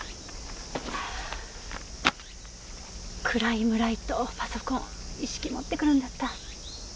クライムライトパソコン一式持ってくるんだった。